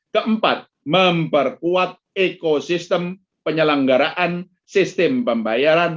keempat memperkuat ekosistem penyelenggaraan sistem pembayaran